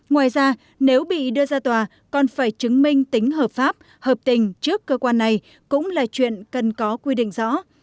gia tòa còn phải chứng minh tính hợp pháp hợp tình trước cơ quan này cũng là chuyện cần có quy định rõ